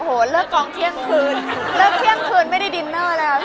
โอ้โหเลิกกองเที่ยงคืนเลิกเที่ยงคืนไม่ได้ดินเนอร์แล้ว